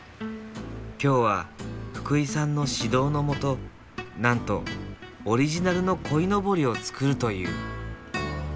きょうは福井さんの指導のもとなんとオリジナルの鯉のぼりを作るという！